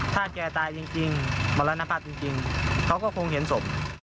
ถ้าแกตายจริงมรณภาพจริงเขาก็คงเห็นศพ